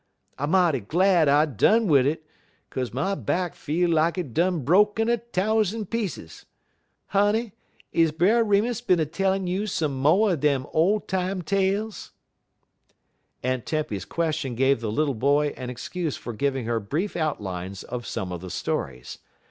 I mighty glad I done wid it, 'kaze my back feel like it done broke in a thous'n pieces. Honey, is Brer Remus bin a tellin' you some mo' er dem ole time tales?" Aunt Tempy's question gave the little boy an excuse for giving her brief outlines of some of the stories.